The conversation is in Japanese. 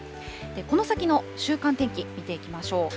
この先の週間天気、見ていきましょう。